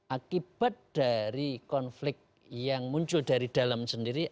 akibat dari konflik yang muncul dari dalam sendiri